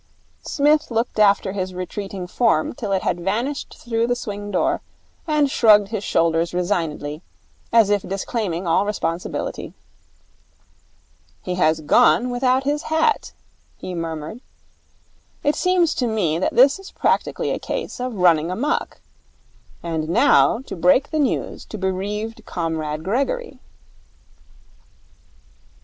Psmith looked after his retreating form till it had vanished through the swing door, and shrugged his shoulders resignedly, as if disclaiming all responsibility. 'He has gone without his hat,' he murmured. 'It seems to me that this is practically a case of running amok. And now to break the news to bereaved Comrade Gregory.'